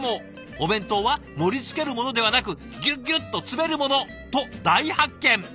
お弁当は盛りつけるものではなくギュギュッと詰めるものと大発見！